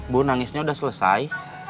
bu nangisnya udah selesai